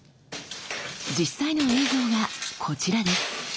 実際の映像がこちらです。